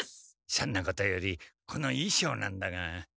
そんなことよりこのいしょうなんだが。